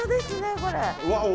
これ。